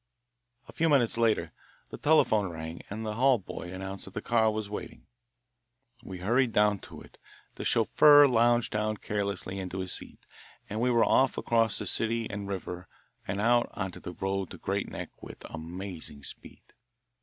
A few minutes later the telephone rang and the hall boy announced that the car was waiting. We hurried down to it; the chauffeur lounged down carelessly into his seat and we were off across the city and river and out on the road to Great Neck with amazing speed.